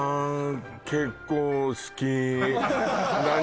結構好き何